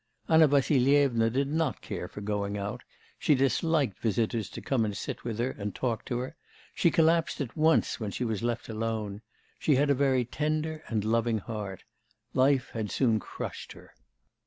Anna Vassilyevna did not care for going out, she liked visitors to come and sit with her and talk to her; she collapsed at once when she was left alone. She had a very tender and loving heart; life had soon crushed her.